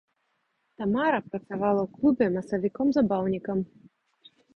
Тамара працавала ў клубе масавіком-забаўнікам.